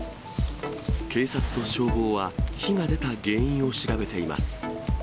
警察と消防は、火が出た原因を調べています。